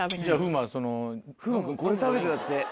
「風磨君これ食べて」だって。